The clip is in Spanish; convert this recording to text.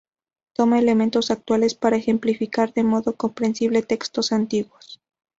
Toma elementos actuales para ejemplificar de modo comprensible textos antiguos.